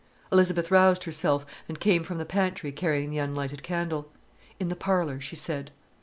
Elizabeth roused herself and came from the pantry carrying the unlighted candle. "In the parlour," she said.